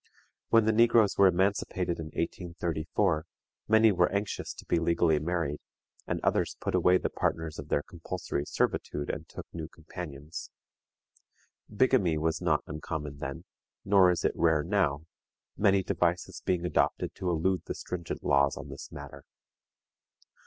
When the negroes were emancipated in 1834, many were anxious to be legally married, and others put away the partners of their compulsory servitude and took new companions. Bigamy was not uncommon then, nor is it rare now, many devices being adopted to elude the stringent laws on this matter.